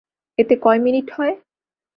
এতে কয় মিনিট হয়?